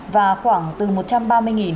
và khoảng từ một trăm linh đồng